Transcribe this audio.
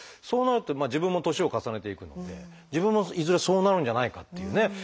そうなると自分も年を重ねていくので自分もいずれそうなるんじゃないかっていうね